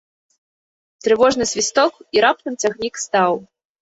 Трывожны свісток, і раптам цягнік стаў.